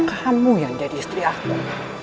kamu yang jadi istri aku